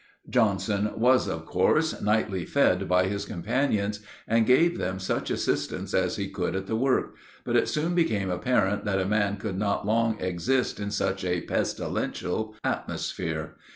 Johnson, was, of course, nightly fed by his companions, and gave them such assistance as he could at the work; but it soon became apparent that a man could not long exist in such a pestilential atmosphere.